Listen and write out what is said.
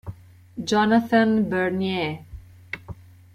Jonathan Bernier